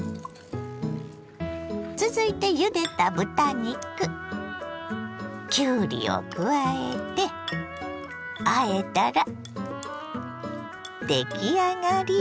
続いてゆでた豚肉きゅうりを加えてあえたら出来上がりです。